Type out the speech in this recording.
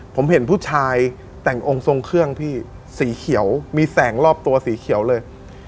ผมเห็นผู้ชายแต่งองค์ทรงเครื่องพี่สีเขียวมีแสงรอบตัวสีเขียวเลย